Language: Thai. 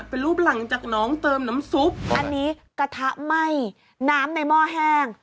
เป็นรูปหลังจากน้องเติมน้ำซุปอันนี้กระทะไหม้น้ำในหม้อแห้ง